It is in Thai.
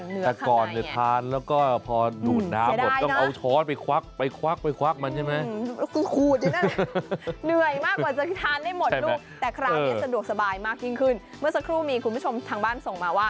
เมื่อสักครู่มีคุณผู้ชมทั้งบ้านส่งมาว่า